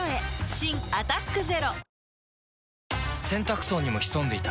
新「アタックＺＥＲＯ」洗濯槽にも潜んでいた。